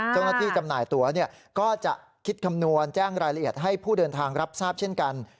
จำหน่ายตัวก็จะคิดคำนวณแจ้งรายละเอียดให้ผู้เดินทางรับทราบเช่นกัน